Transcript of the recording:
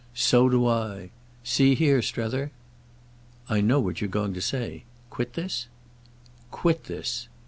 "So do I! See here, Strether." "I know what you're going to say. 'Quit this'?" "Quit this!"